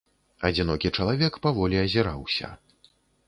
Адзінокі чалавек паволі азіраўся.